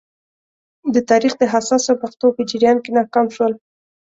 د تاریخ د حساسو مقطعو په جریان کې ناکام شول.